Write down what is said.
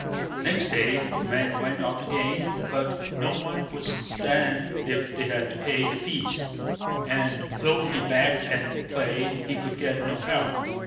Next day the man went out again, but no one would stand if they had to pay the fees; and though he begged and prayed, he could get no help.